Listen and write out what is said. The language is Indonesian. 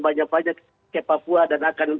banyak banyak ke papua dan akan